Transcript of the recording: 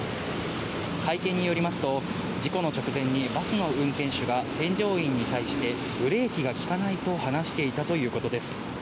会見によりますと、事故の直前にバスの運転手が添乗員に対して、ブレーキが利かないと話していたということです。